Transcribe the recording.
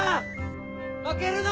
・負けるな！